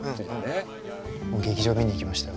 劇場見に行きましたよ。